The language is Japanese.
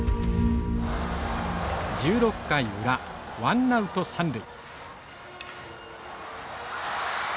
１６回裏ワンナウト三塁。